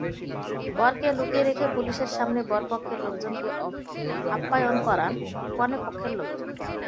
বরকে লুকিয়ে রেখে পুলিশের সামনেই বরপক্ষের লোকজনকে আপ্যায়ন করান কনেপক্ষের লোকজন।